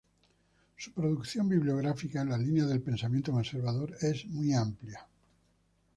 Su producción bibliográfica, en la línea del pensamiento conservador, es muy amplia.